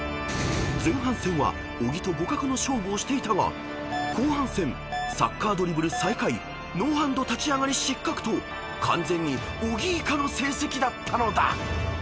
［前半戦は小木と互角の勝負をしていたが後半戦サッカードリブル最下位ノーハンド立ち上がり失格と完全に小木以下の成績だったのだ］